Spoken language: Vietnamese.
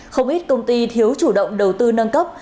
không ít công ty thiếu chủ động đầu tư nâng cấp